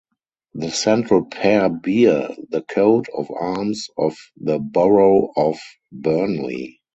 The central pair bear the coat of arms of the Borough of Burnley.